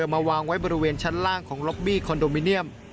มาวางไว้บริเวณชั้นล่างของล็อบบี้คอนโดมิเนียม